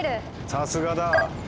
さすがだ！